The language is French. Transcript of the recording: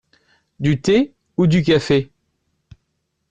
Du thé ou du café ?